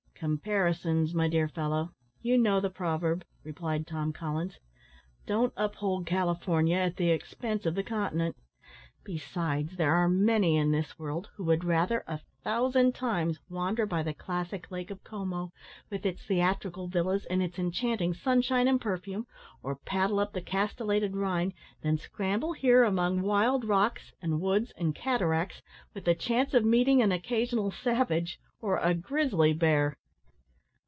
"`Comparisons,' my dear fellow you know the proverb," replied Tom Collins; "don't uphold California at the expense of the continent. Besides, there are many in this world who would rather a thousand times wander by the classic lake of Como, with its theatrical villas and its enchanting sunshine and perfume, or paddle up the castellated Rhine, than scramble here among wild rocks, and woods, and cataracts, with the chance of meeting an occasional savage or a grizzly bear."